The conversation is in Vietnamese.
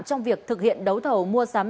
trong việc thực hiện đấu thầu mua sắm